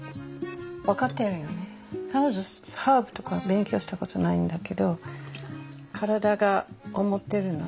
彼女ハーブとか勉強したことないんだけど体が思ってるのね。